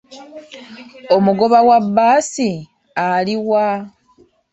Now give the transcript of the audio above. Omugoba wa bbaasi ali wa?